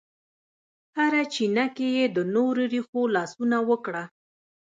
هره چینه کې یې د نور رېښو لاسونه وکړه